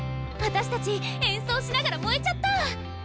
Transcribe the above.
私たち演奏しながら燃えちゃった！